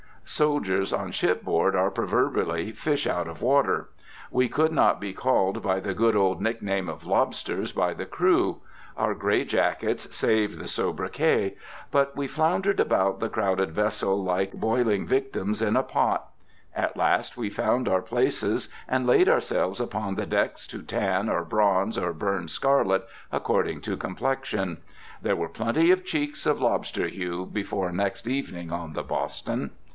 Soldiers on shipboard are proverbially fish out of water. We could not be called by the good old nickname of "lobsters" by the crew. Our gray jackets saved the sobriquet. But we floundered about the crowded vessel like boiling victims in a pot. At last we found our places, and laid ourselves about the decks to tan or bronze or burn scarlet, according to complexion. There were plenty of cheeks of lobster hue before next evening on the Boston.